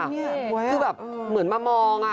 คือแบบเหมือนมามอง